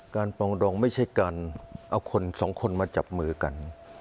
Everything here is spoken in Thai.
ปองดงไม่ใช่การเอาคนสองคนมาจับมือกัน